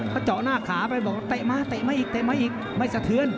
เขาเจาะหน้าขาไปแตะมาแตะมาอีกแตะมาอีกไม่สะเทือน